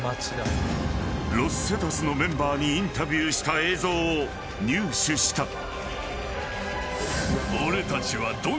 ［ロス・セタスのメンバーにインタビューした映像を入手した］